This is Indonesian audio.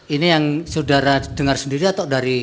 ini yang saudara dengar sendiri atau dari